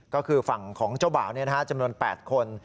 ก็คือฝั่งของเจ้าบ่าวเนี่ยนะฮะจำนวน๘คน